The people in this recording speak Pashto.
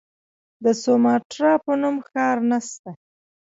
د سوماټرا په نوم ښار نسته.